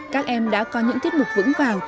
các em đã có những tiết mục vững vào